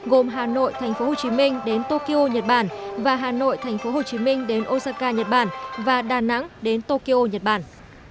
gồm hà nội tp hcm đến tokyo nhật bản và hà nội tp hcm đến osaka nhật bản và đà nẵng đến tokyo nhật bản